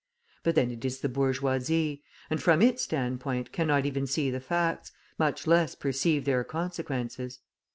But then it is the bourgeoisie, and from its standpoint cannot even see the facts, much less perceive their consequences.